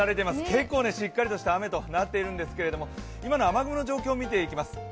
結構しっかりとした雨となっているんですが今の雨雲の状況見ていきます。